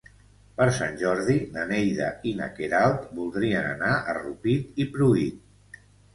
Per Sant Jordi na Neida i na Queralt voldrien anar a Rupit i Pruit.